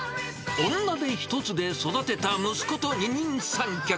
女手一つで育てた息子と二人三脚。